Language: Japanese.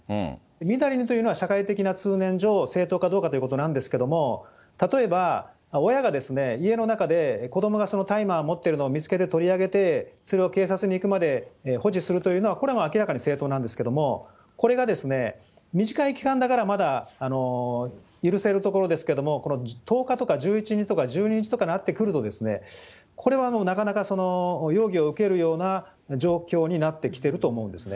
みだりにというのは、社会的な通念上、正当かどうかということなんですけれども、例えば親が家の中で子どもがその大麻を持っているのを見つけて取り上げて、それを警察に行くまで保持するというのは、これは明らかに正当なんですけれども、これが短い期間だからまだ許せるところですけれども、１０日とか１２日とか１１日とかになってくると、これはなかなか容疑を受けるような状況になってきてると思うんですね。